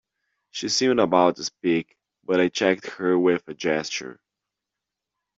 She seemed about to speak, but I checked her with a gesture.